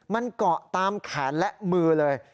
มันเกาะตามแขนและมือเลย